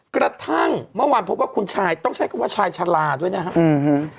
กระทั่งเมื่อวานพบว่าคุณชายต้องใช้คำว่าชายชะลาด้วยนะครับอืม